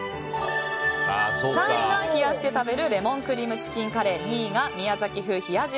３位が冷やして食べるレモンクリームチキンカレー２位が宮崎風冷や汁。